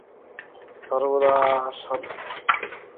তিনি লন্ডন থেকে জাহাজে পোর্ট সৈয়দ হয়ে মুম্বই প্রত্যাবর্তন করেন।